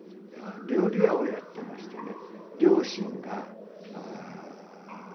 料理屋をやってましてね